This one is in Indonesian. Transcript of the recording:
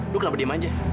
lu kenapa diam aja